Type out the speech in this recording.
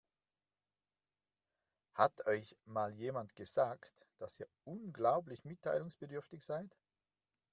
Hat euch mal jemand gesagt, dass ihr unglaublich mitteilungsbedürftig seid?